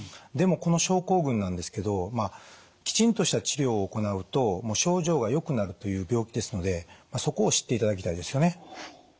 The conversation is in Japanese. でもこの症候群なんですけどきちんとした治療を行うと症状がよくなるという病気ですのでそこを知っていただきたいですよね。